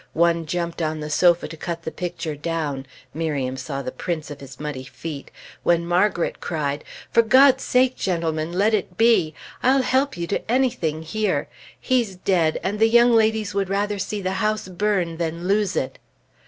One jumped on the sofa to cut the picture down (Miriam saw the prints of his muddy feet) when Margret cried, "For God's sake, gentlemen, let it be! I'll help you to anything here. He's dead, and the young ladies would rather see the house burn than lose it!"